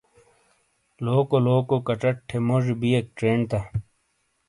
لوکو لوکو کچٹ تھے موجی بِیئک چینڈ تا